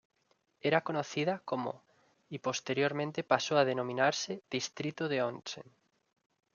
Era conocida como y posteriormente pasó a denominarse Distrito de Onsen.